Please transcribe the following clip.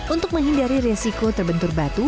untuk menghindari resiko terbentur batu